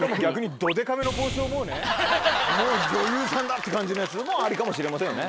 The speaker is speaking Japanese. をもうねもう女優さんだって感じのやつもありかもしれませんよね。